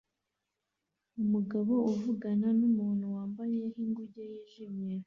Umugabo uvugana numuntu wambaye nkinguge yijimye